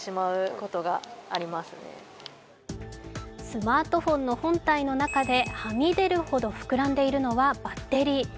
スマートフォンの本体の中ではみ出るほど膨らんでいるのはバッテリー。